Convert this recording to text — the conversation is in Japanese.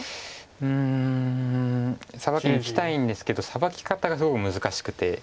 うんサバキにいきたいんですけどサバキ方がすごく難しくて。